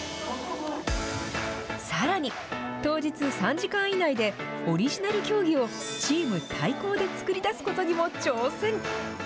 さらに、当日、３時間以内でオリジナル競技をチーム対抗で作り出すことにも挑戦。